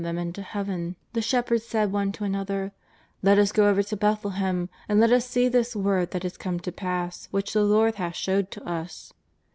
69 fhem into heaven, the shepherds said one to an other :" Let us go over to Bethlehem and let us see this word that is come to pass which the Lord hath showed to us.